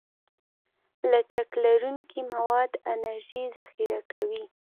لچک لرونکي مواد انرژي ذخیره کوي.